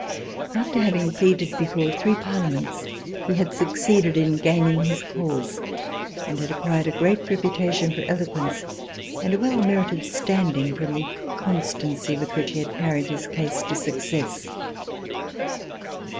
After having pleaded before three Parlements, he had succeeded in gaining his cause, and had acquired a great reputation for eloquence and a well merited standing, from the constancy with which he had carried his case to success.